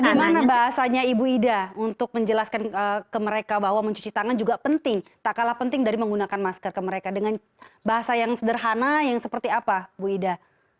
bagaimana bahasanya ibu ida untuk menjelaskan ke mereka bahwa mencuci tangan juga penting tak kalah penting dari menggunakan masker ke mereka dengan bahasa yang sederhana yang seperti apa bu ida